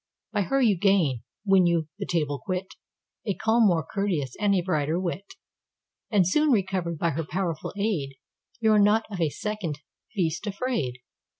By her you gain, when you the table quit,A calm more courteous, and a brighter wit; And soon recovered, by her powerful aid, You are not of a second feast afraid.